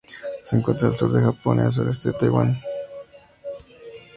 Se encuentra al sur del Japón y al suroeste de Taiwán.